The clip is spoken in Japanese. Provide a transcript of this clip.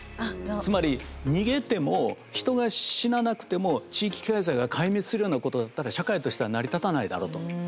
つまり逃げても人が死ななくても地域経済が壊滅するようなことだったら社会としては成り立たないだろと。